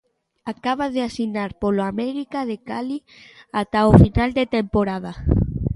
Acaba de asinar polo América de Cali ata o final de temporada.